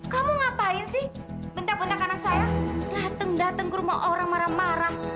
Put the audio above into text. kamu ngapain sih bentak bentak anak saya datang datang ke rumah orang marah marah